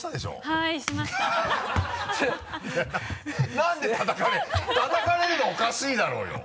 何でたたかれたたかれるのおかしいだろうよ！